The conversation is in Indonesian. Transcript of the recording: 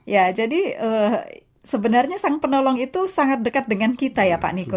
ya jadi sebenarnya sang penolong itu sangat dekat dengan kita ya pak niko ya